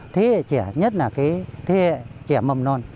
thế hệ trẻ nhất là cái thế hệ trẻ mầm non